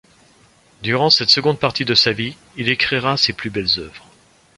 Durant cette seconde partie de sa vie, il écrira ses plus belles œuvres.